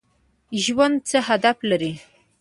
ژوند څه هدف لري؟